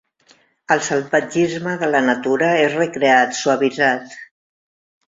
El salvatgisme de la natura és recreat, suavitzat.